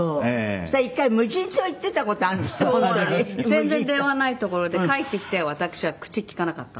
全然電話ない所で帰ってきて私は口利かなかったんです。